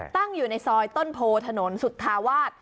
ตั้งอยู่ในซอยต้นโพถนนสุธาวาส